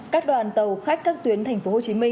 các đoàn tàu khách các tuyến tp hcm